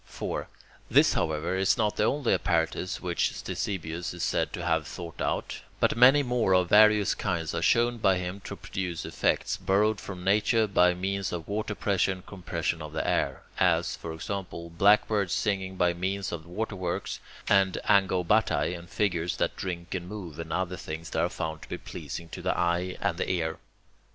4. This, however, is not the only apparatus which Ctesibius is said to have thought out, but many more of various kinds are shown by him to produce effects, borrowed from nature, by means of water pressure and compression of the air; as, for example, blackbirds singing by means of waterworks, and "angobatae," and figures that drink and move, and other things that are found to be pleasing to the eye and the ear.